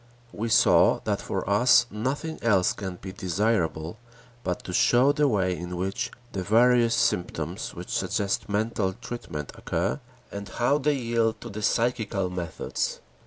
We saw that for us nothing else can be desirable, but to show the way in which the various symptoms which suggest mental treatment occur, and how they yield to the psychical methods.